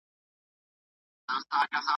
ماشومان د ټولني تر ټولو زیان منونکې برخه ده.